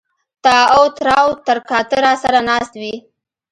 تااو تراو تر کا ته را سر ه ناست وې